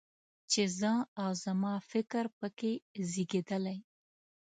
چې زه او زما فکر په کې زېږېدلی.